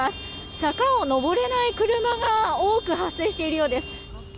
坂を上れない車が多く発生しているようです。